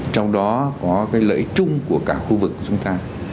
trong đó có cái lợi ích chung của cả khu vực của chúng ta